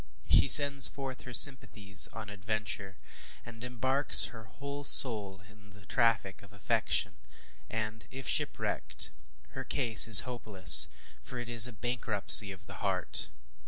She sends forth her sympathies on adventure; she embarks her whole soul in the traffic of affection; and if shipwrecked, her case is hopeless for it is a bankruptcy of the heart.